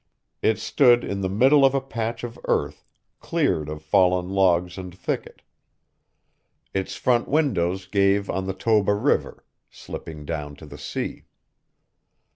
It stood in the middle of a patch of earth cleared of fallen logs and thicket. Its front windows gave on the Toba River, slipping down to the sea.